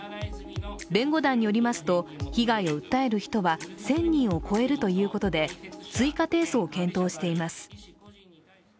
弁護団によりますと被害を訴える人は１０００人を超えるということで追加提訴を検討しています。